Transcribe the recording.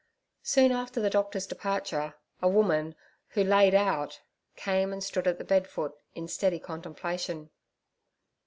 Soon after the doctor's departure a woman who 'laid out' came and stood at the bedfoot in steady contemplation.